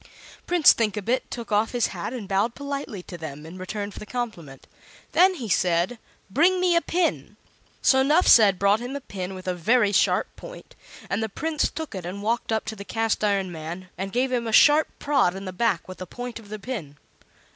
Prince Thinkabit took off his hat and bowed politely to them in return for the compliment. Then he said: "Bring me a pin." So Nuphsed brought him a pin with a very sharp point, and the Prince took it and walked up to the Cast iron Man, and gave him a sharp prod in the back with the point of the pin.